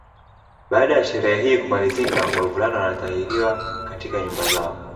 Baada ya sherehe hii kumalizika wavulana wanatahiriwa katika nyumba zao